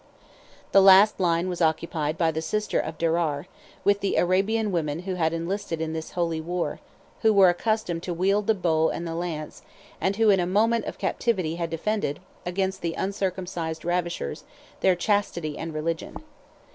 The last line was occupied by the sister of Derar, with the Arabian women who had enlisted in this holy war, who were accustomed to wield the bow and the lance, and who in a moment of captivity had defended, against the uncircumcised ravishers, their chastity and religion.